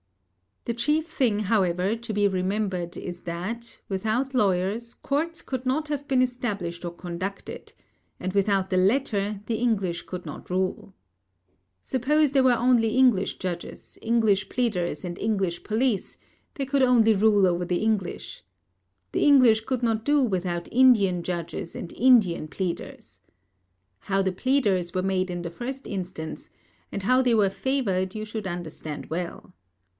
The chief thing, however, to be remembered is that, without lawyers, courts could not have been established or conducted, and without the latter the English could not rule. Supposing that there were only English Judges, English Pleaders and English Police, they could only rule over the English. The English could not do without Indian Judges and Indian pleaders. How the pleaders were made in the first instance and how they were favoured you should understand well.